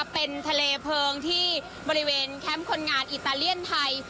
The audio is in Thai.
เป็นทะเลเพลิงที่บริเวณแคมป์คนงานอิตาเลียนไทย